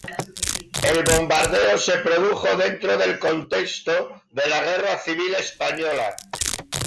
El bombardeo se produjo dentro del contexto de la Guerra Civil Española.